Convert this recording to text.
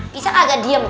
bisa kagak diem